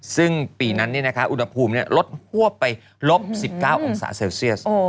ซึ่งปีนั้นอุณหภูมิลดฮวบไปลบ๑๙องศาเซลเซียส